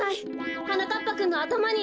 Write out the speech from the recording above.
はなかっぱくんのあたまに。